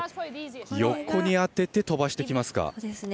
横に当てて飛ばしてきますか。